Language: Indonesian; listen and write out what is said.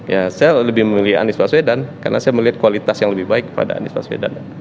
ya saya lebih memilih anies baswedan karena saya melihat kualitas yang lebih baik kepada anies baswedan